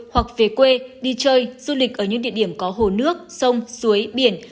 hoặc về quê đi chơi du lịch ở những địa điểm có hồ nước sông suối biển